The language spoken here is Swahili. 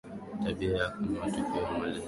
Tabia yako ni matokeo ya malezi yako